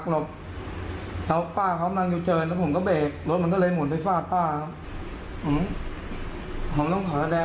รถที่เกิดเหตุผมต้องกลับขออภัย